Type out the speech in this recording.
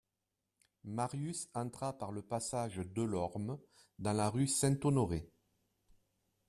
Marius entra par le passage Delorme dans la rue Saint-Honoré.